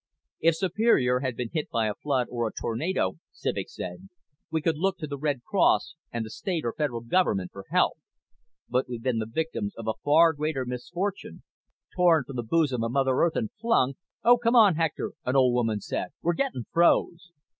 "If Superior had been hit by a flood or a tornado," Civek said, "we could look to the Red Cross and the State or Federal Government for help. But we've been the victims of a far greater misfortune, torn from the bosom of Mother Earth and flung " "Oh, come on, Hector," an old woman said. "We're getting froze."